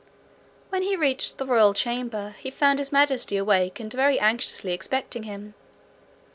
When he reached the royal chamber, he found His Majesty awake, and very anxiously expecting him.